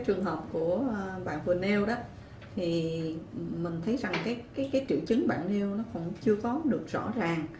trường hợp của bạn vừa nêu mình thấy trữ chứng bạn nêu chưa có được rõ ràng